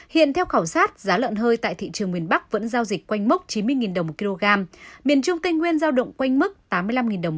hiện theo khảo sát giá lợn hơi tại thị trường miền bắc vẫn giao dịch quanh mốc chín mươi đồng một kg miền trung tây nguyên giao động quanh mức tám mươi năm đồng một kg